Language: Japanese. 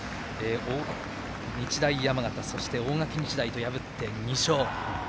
日大山形、そして大垣日大と破って２勝。